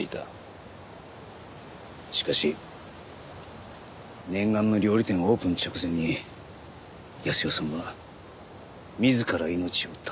しかし念願の料理店オープン直前に泰代さんは自ら命を絶った。